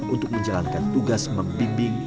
untuk menjalankan tugas membimbing